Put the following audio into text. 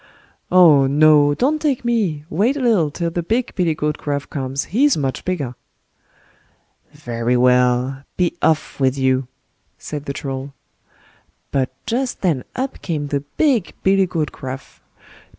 "Oh, no! don't take me, wait a little till the big billy goat Gruff comes, he's much bigger." "Very well! be off with you", said the Troll. But just then up came the big billy goat Gruff.